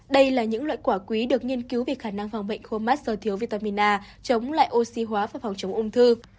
đây là những loại quả quý được nghiên cứu về khả năng phòng bệnh khô mắt do thiếu vitamin a chống lại oxy hóa và phòng chống ung thư